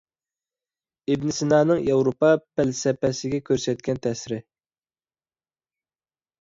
ئىبن سىنانىڭ ياۋروپا پەلسەپىسىگە كۆرسەتكەن تەسىرى.